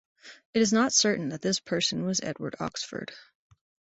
It is not certain that this person was Edward Oxford.